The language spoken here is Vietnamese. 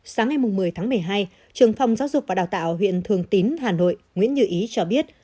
sáng ngày một mươi tháng một mươi hai trường phòng giáo dục và đào tạo huyện thường tín hà nội nguyễn như ý cho biết